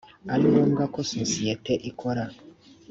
ari ngombwa ko sosiyete ikora